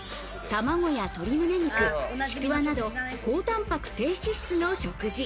卵や鶏胸肉、ちくわなど、高たんぱく低脂質の食事。